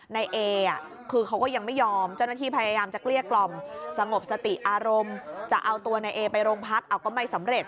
แล้วกันก็เอาอุปกรณ์มาละค่ะ